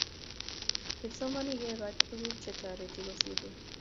kipsomaninik kekach tukuk chetareti kosiryo